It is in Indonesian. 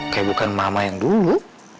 kayak bukan mama yang dulu